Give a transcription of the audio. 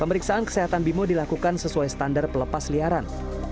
pemeriksaan kesehatan bimo dilakukan sesuai standar pelepas liaran